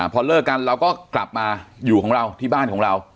พอเริ่อกันเราก็กลับมาอยู่ที่บ้านของเรา